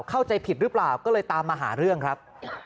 เข้าใจผิดหรือเปล่าก็เลยตามมาหาเรื่องครับ